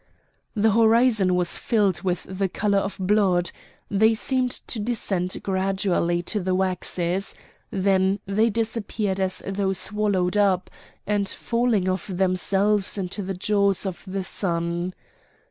The horizon was filled with the colour of blood. They seemed to descend gradually to the waves; then they disappeared as though swallowed up, and falling of themselves into the jaws of the sun.